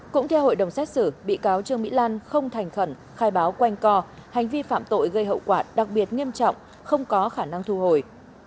cũng theo hội đồng xét xử bị cáo trương mỹ lan không thành khẩn khai báo quanh co hành vi phạm tội gây hậu quả đặc biệt nghiêm trọng không có khả năng thu hồi